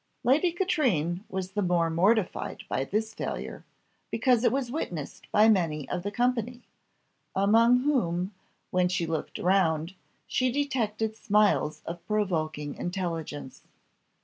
Lady Katrine was the more mortified by this failure, because it was witnessed by many of the company, among whom, when she looked round, she detected smiles of provoking intelligence.